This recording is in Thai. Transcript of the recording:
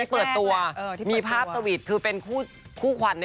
ไม่ได้มีการติดต่อกัน